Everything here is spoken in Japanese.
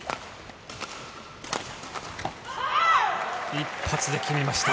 一発で決めました。